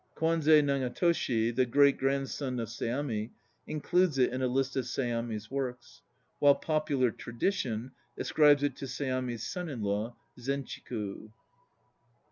Kwanze Nagatoshi, the great grandson of Seami, includes it in a list of Seami's works; while popular tradition ascribes it to Seami's son in law Zenchiku.